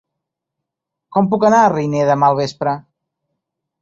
Com puc anar a Riner demà al vespre?